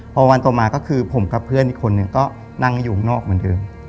พอวันต่อมาก็คือผมกับเพื่อนอีกคนนึงก็นั่งอยู่ข้างนอกเหมือนเดิม